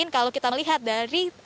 kalau kita melihat dari